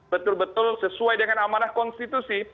betul betul sesuai dengan amanah konstitusi